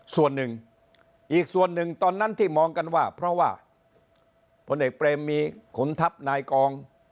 ส่วนหนึ่งอีกส่วนหนึ่งตอนนั้นที่มองกันว่าเพราะว่าพลเอกเปรมมีขุนทัพนายกอง